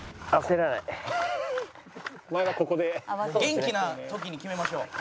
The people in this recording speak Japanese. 「元気な時に決めましょう」